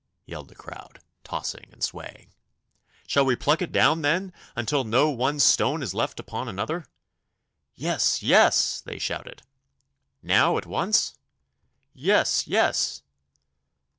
yelled the crowd, tossing and swaying. 'Shall we pluck it down, then, until no one stone is left upon another?' 'Yes, yes!' they shouted. 'Now, at once?' 'Yes, yes!